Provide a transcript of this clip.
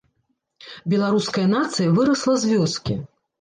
Беларуская нацыя вырасла з вёскі.